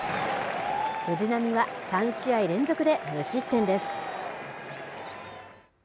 藤浪は３試合連続で無失点です。